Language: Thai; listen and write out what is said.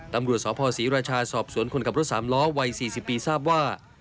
ตำรวจสภศรีราชาสอบสวนคนขับรถสามล้อวัย๔๐ปีทราบว่า